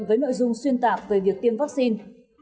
với nội dung xuyên tạp về việc tiêm vaccine